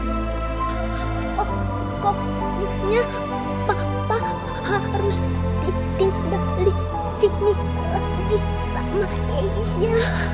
pokoknya papa harus ditinggali sini lagi sama keisha